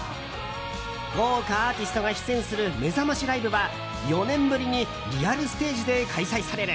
豪華アーティストが出演するめざましライブは４年ぶりにリアルステージで開催される。